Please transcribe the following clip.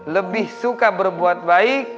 lebih suka berbuat baik